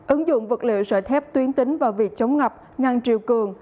ứng dụng vật liệu sợi thép tuyến tính vào việc chống ngập ngăn triều cường